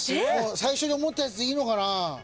最初に思ったやつでいいのかな。